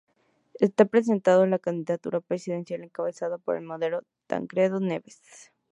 Esta presentó la candidatura presidencial encabezada por el moderado Tancredo Neves.